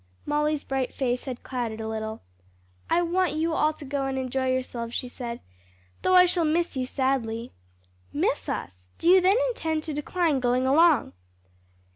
Molly's bright face had clouded a little. "I want you all to go and enjoy yourselves," she said, "though I shall miss you sadly." "Miss us! do you then intend to decline going along?"